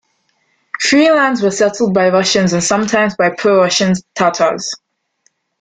Free lands were settled by Russians and sometimes by pro-Russian Tatars.